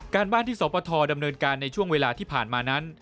บ้านที่สปทดำเนินการในช่วงเวลาที่ผ่านมานั้น